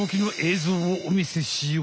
ぞうをおみせしよう！